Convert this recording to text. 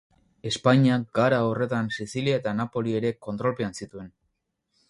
Espainiak gara horretan Sizilia eta Napoli ere kontrolpean zituen.